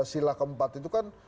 sila keempat itu kan